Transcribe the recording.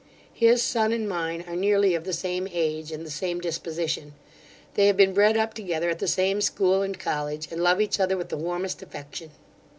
His son and mine are nearly of the same age and the same disposition; they have been bred up together at the same school and college, and love each other with the warmest affection.